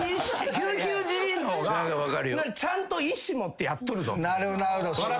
ひゅーひゅージジイの方がちゃんと意思持ってやっとるぞ。笑